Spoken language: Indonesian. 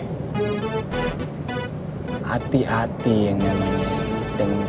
hati hati yang namanya